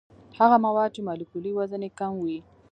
هغه مواد چې مالیکولي وزن یې کم وي.